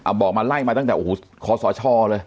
เอาบอกมาไล่มาตั้งแต่ขอสอช่อเลย